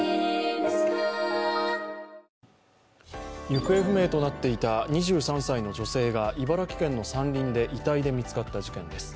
行方不明となっていた２３歳の女性が茨城県の山林で遺体で見つかった事件です。